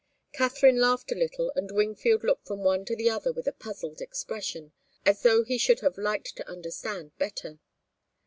Katharine laughed a little, and Wingfield looked from one to the other with a puzzled expression, as though he should have liked to understand better.